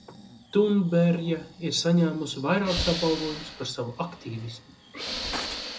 Tūnberja ir saņēmusi vairākus apbalvojumus par savu aktīvismu.